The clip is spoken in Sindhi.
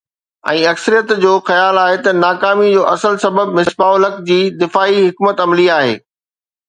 ۽ اڪثريت جو خيال آهي ته ناڪامي جو اصل سبب مصباح الحق جي دفاعي حڪمت عملي آهي.